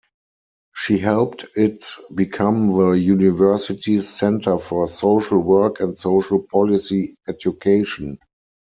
She helped it become the university's centre for social work and social policy education.